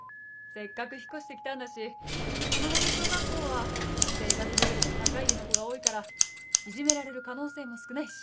せっかく引っ越して来たんだしこの辺の小学校は生活レベルの高い家の子が多いからいじめられる可能性も少ないし。